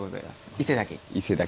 伊勢だけに。